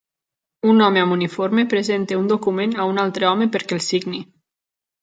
Un home amb uniforme presenta un document a un altre home perquè el signi.